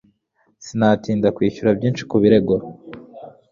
Sinatinda kwishyura byinshi kubirego.